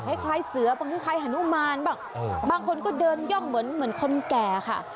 คล้ายเสือบางคล้ายฮานุมานบ้างบางคนก็เดินย่องเหมือนคนแก่ค่ะ